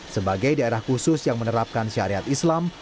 sebagai daerah khusus yang menerapkan syariat islam